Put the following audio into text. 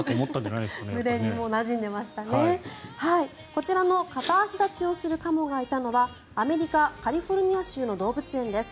こちらの片足立ちをするカモがいたのはアメリカ・カリフォルニア州の動物園です。